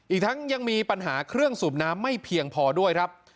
อีกทั้งยังมีปัญหาเครื่องสูบน้ำไม่เพียงพอด้วยครับ